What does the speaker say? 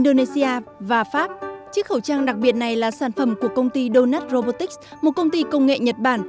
donut robotics một công ty công nghệ nhật bản